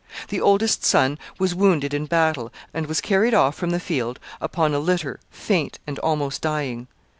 The oldest son was wounded in battle, and was carried off from the field upon a litter faint and almost dying.